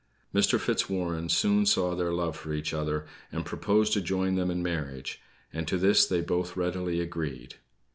Mr. Fitzwarren soon saw their love for each other, and proposed to join them in marriage; and to this they both readily agreed.